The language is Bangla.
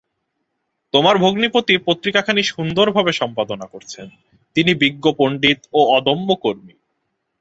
তোমার ভগ্নীপতি পত্রিকাখানি সুন্দরভাবে সম্পাদনা করছেন, তিনি বিজ্ঞ পণ্ডিত ও অদম্য কর্মী।